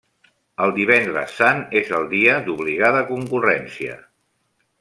El Divendres Sant és el dia d'obligada concurrència.